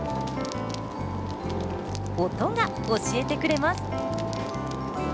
音が教えてくれます。